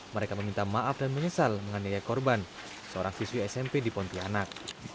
mereka meminta maaf dan menyesal menganiaya korban seorang siswi smp di pontianak